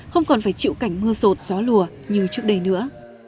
không còn phải chịu cảnh mưa rột gió lùa như trước đây nữa